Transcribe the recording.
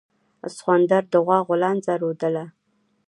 سخوندر د غوا غولانځه رودله.